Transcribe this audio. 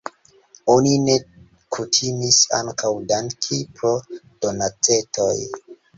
Oni ne kutimis ankaŭ danki pro donacetoj.